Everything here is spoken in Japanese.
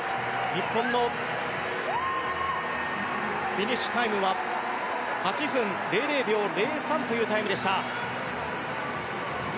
日本のフィニッシュタイムは８分００秒０３というタイムでした。